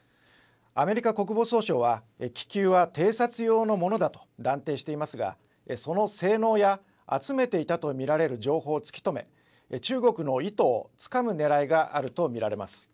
アメリカ国防総省は、気球は偵察用のものだと断定していますが、その性能や、集めていたと見られる情報を突き止め、中国の意図をつかむねらいがあると見られます。